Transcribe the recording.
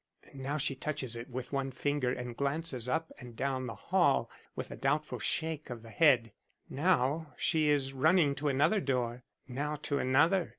Now she touches it with one finger and glances up and down the hall with a doubtful shake of the head. Now she is running to another door, now to another.